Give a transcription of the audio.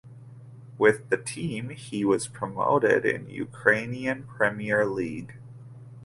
With the team he was promoted in Ukrainian Premier League.